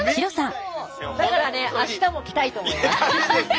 だからね明日も来たいと思います。